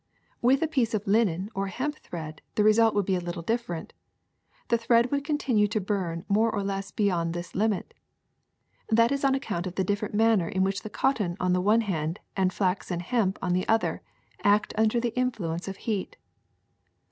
With a piece of linen or hemp thread the re sult would be a little different : the thread would con tinue to burn more or less beyond this limit. That is on account of the different manner in which cotton on the one hand and flax and hemp on the other act under the influence of heat.